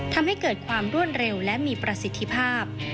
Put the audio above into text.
ทำให้เกิดความรวดเร็วและมีประสิทธิภาพ